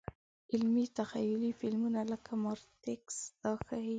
علمي – تخیلي فلمونه لکه ماتریکس دا ښيي.